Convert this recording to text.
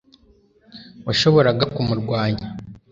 washoboraga kumurwanya